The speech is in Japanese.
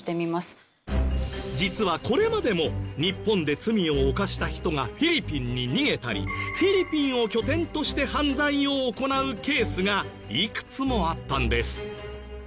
実はこれまでも日本で罪を犯した人がフィリピンに逃げたりフィリピンを拠点として犯罪を行うケースがいくつもあったんです。